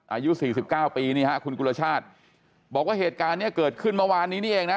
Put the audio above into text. อายุ๔๙ปีนี่ฮะคุณกุลชาติบอกว่าเหตุการณ์นี้เกิดขึ้นเมื่อวานนี้นี่เองนะ